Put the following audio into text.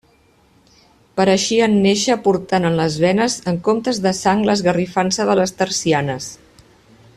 Pareixien nàixer portant en les venes en comptes de sang l'esgarrifança de les tercianes.